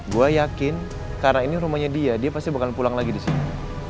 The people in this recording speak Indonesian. gue yakin karena ini rumahnya dia dia pasti bakal pulang lagi di sini